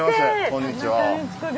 こんにちは。